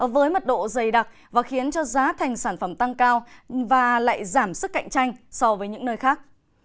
với mật độ dày đặc và khiến cho giá thành sản phẩm tăng cao và lại giảm sức cạnh tranh so với những nơi khác